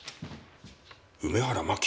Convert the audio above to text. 「梅原真樹」？